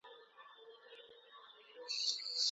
ضروري معلومات د نکاح پر وخت بايد تبادله سي.